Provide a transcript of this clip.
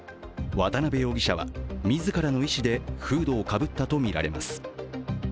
渡辺容疑者は自らの意思でフードをかぶったとみられます。